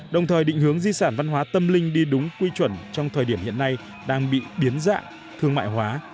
đồng thời định hướng di sản văn hóa tâm linh đi đúng quy chuẩn trong thời điểm hiện nay đang bị biến dạng thương mại hóa